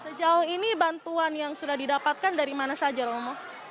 sejauh ini bantuan yang sudah didapatkan dari mana saja romo